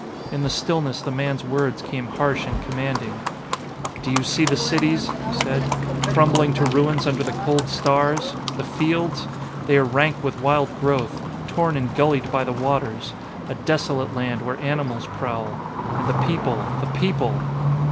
In the stillness the man's words came harsh and commanding "Do you see the cities," he said, "crumbling to ruins under the cold stars? The fields? They are rank with wild growth, torn and gullied by the waters; a desolate land where animals prowl. And the people the people!